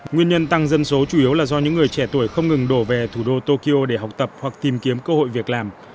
nguyên nhân tăng dân số chủ yếu là do những người trẻ tuổi không ngừng đổ về thủ đô tokyo để học tập hoặc tìm kiếm cơ hội việc làm